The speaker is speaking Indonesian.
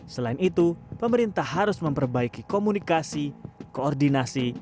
selain itu pemerintah harus memperbaiki komunikasi koordinasi